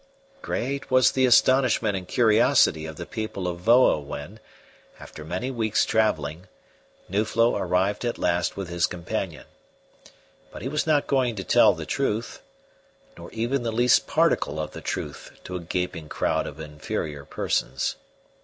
Great was the astonishment and curiosity of the people of Voa when, after many weeks' travelling, Nuflo arrived at last with his companion. But he was not going to tell the truth, nor even the least particle of the truth, to a gaping crowd of inferior persons.